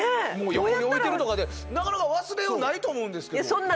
もう横に置いてるとかでなかなか忘れようないと思うんですけども。